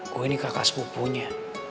gue ini kakak sepupunya